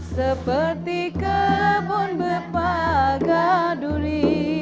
seperti kebun berpaga duri